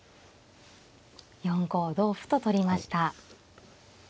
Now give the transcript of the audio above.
４五同歩と取りました。